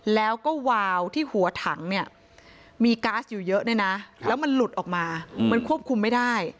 แล้วก็วาวที่หัวถังเนี่ยมีก๊าซอยู่เยอะด้วยนะแล้วมันหลุดออกมามันควบคุมไม่ได้